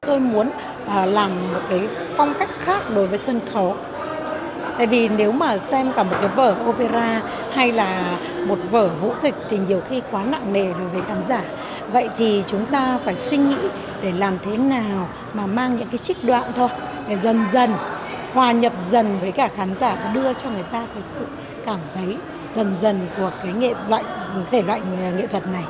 tổng đạo dân dân hòa nhập dân với khán giả đưa cho người ta sự cảm thấy dân dân của thể loại nghệ thuật này